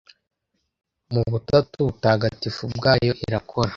m'ubutatu butagatifu bwayo irakora